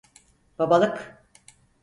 Babalık!